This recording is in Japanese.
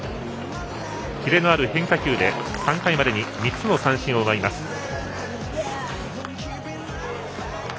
キレのある変化球で３回までに３つの三振を奪います。